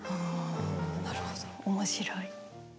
なるほど面白い。